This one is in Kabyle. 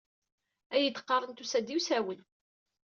Ad yi-d-qqaren tusa-d iwsawen.